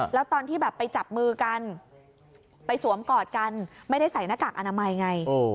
แล้วตอนที่แบบไปจับมือกันไปสวมกอดกันไม่ได้ใส่หน้ากากอนามัยไง